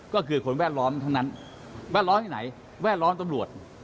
ก็คือคนแวดล้อมทั้งนั้นแวดล้อมที่ไหนแวดล้อมตำรวจ